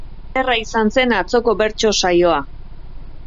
Ederra izan zen atzoko bertso saioa